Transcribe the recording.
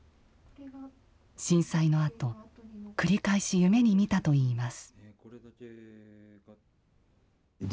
震災のあと繰り返し夢に見たといいます。